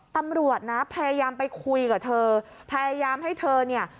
ตำรวจนะพยายามไปคุยกับเธอพยายามให้เธอเนี่ย